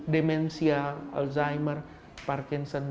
demensia alzheimer parkinson s dan lain lain